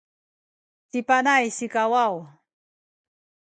ci Panay sikawaw